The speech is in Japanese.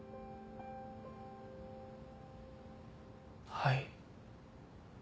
はい。